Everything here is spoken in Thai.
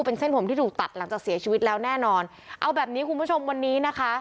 เป็นเส้นผมที่ถูกตัดหลังจากเสียชีวิตแล้วแน่นอนเอาแบบนี้คุณผู้ชมวันนี้นะคะ